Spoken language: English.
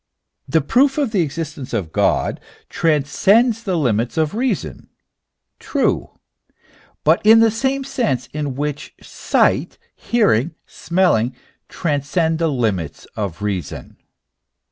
The proof of the existence of God transcends the limits of the reason; true ; but in the same sense in which sight, hearing, smell transcend the limits of the reason.